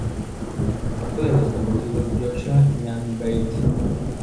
Hijo de los conocidos Joshua y Ann Bayes.